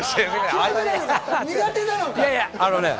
苦手なのかな？